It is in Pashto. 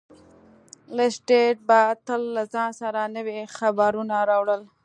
لیسټرډ به تل له ځان سره نوي خبرونه راوړل.